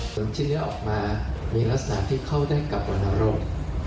ตอนที่นี้ออกมามีลักษณะที่เข้าได้กับวรรณโรค